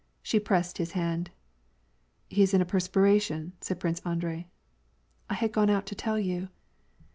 She pressed his hand. " He is in a perspiration,'* said Prince Andrei. " I had gone out to tell you."